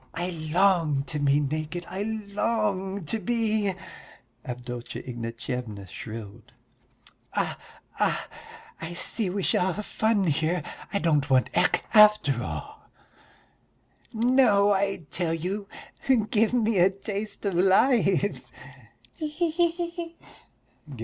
"I long to be naked, I long to be," Avdotya Ignatyevna shrilled. "Ah ... ah, I see we shall have fun here; I don't want Ecke after all." "No, I tell you. Give me a taste of life!" "He he he!"